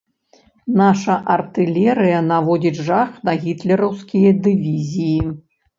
Наша артылерыя наводзіць жах на гітлераўскія дывізіі.